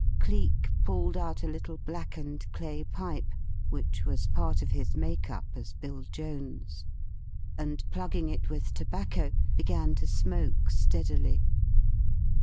Cleek pulled out a little blackened clay pipe, which was part of his make up as Bill Jones, and, plugging it with tobacco, began to smoke steadily.